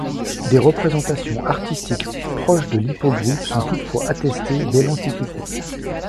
Des représentations artistiques proches de l'hippogriffe sont toutefois attestées dès l'Antiquité.